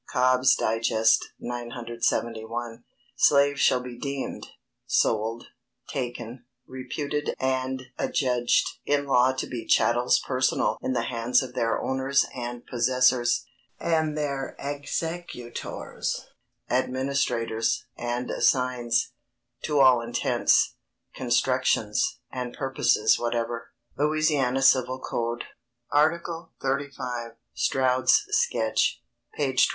Cobb's Dig. 971.] Slaves shall be deemed, sold, taken, reputed and adjudged in law to be chattels personal in the hands of their owners and possessors, and their executors, administrators and assigns, to all intents, constructions, and purposes whatever. [Sidenote: Lou. Civil Code, art. 35. Stroud's Sketch, p. 22.